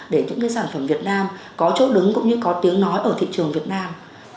để những sản phẩm việt nam có chỗ đứng cũng như có tiếng nói ở thị trường việt nam